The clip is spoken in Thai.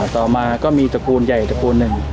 ต่อมาก็มีตระกูลใหญ่ตระกูลหนึ่ง